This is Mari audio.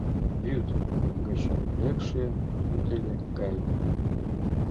Вӱд гыч лекше вӱтеле гай.